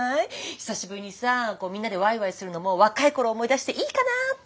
久しぶりにさこうみんなでワイワイするのも若い頃を思い出していいかなって。